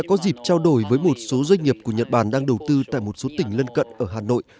có dịp trao đổi với một số doanh nghiệp của nhật bản đang đầu tư tại một số tỉnh lân cận ở hà nội